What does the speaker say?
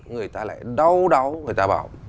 người ta lại đau đớn người ta bảo